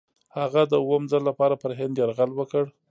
هغه د اووم ځل لپاره پر هند یرغل وکړ.